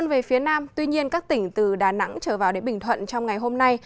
về phía nam tuy nhiên các tỉnh từ đà nẵng trở vào đến bình thuận trong ngày hôm nay